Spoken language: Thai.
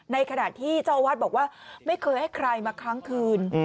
ในขณะที่เจ้าอาวาสบอกว่าไม่เคยให้ใครมาครั้งคืน